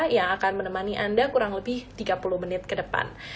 yang akan menemani anda kurang lebih tiga puluh menit ke depan